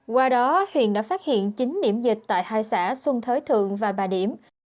qua đó huyện đã phát hiện chín điểm dịch tại hai xã xuân thới thượng và bà điểm